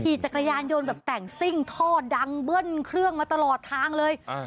จักรยานยนต์แบบแต่งซิ่งท่อดังเบิ้ลเครื่องมาตลอดทางเลยอ่า